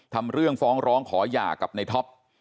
ทำเรื่องฟ้องร้องขอหย่ากับในท็อป